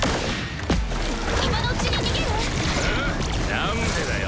なんでだよ？